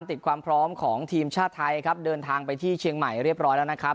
ติดความพร้อมของทีมชาติไทยครับเดินทางไปที่เชียงใหม่เรียบร้อยแล้วนะครับ